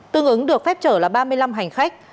tương ứng được phép trở là ba mươi năm hành khách